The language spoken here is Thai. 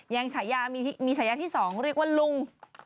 ยังมีฉายาที่สองเรียกว่าลุง